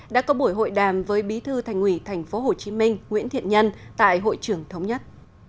đã có buổi hội đàm với bí thư thành ủy tp hcm nguyễn thiện nhân tại hội trưởng thống nhất